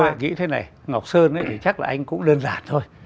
tôi nghĩ thế này ngọc sơn ấy thì chắc là anh cũng đơn giản thôi